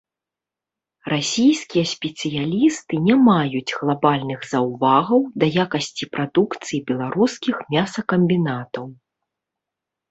Расійскія спецыялісты не маюць глабальных заўвагаў да якасці прадукцыі беларускіх мясакамбінатаў.